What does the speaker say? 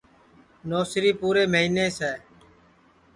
نوسری پُورے مہینس ہے